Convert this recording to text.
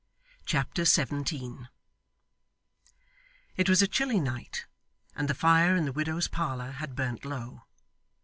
Chapter 17 It was a chilly night, and the fire in the widow's parlour had burnt low.